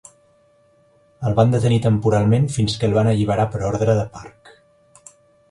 El van detenir temporalment fins que el van alliberar per ordre de Park.